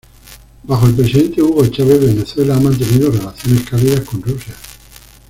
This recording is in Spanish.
Bajo el presidente Hugo Chávez, Venezuela ha mantenido relaciones cálidas con Rusia.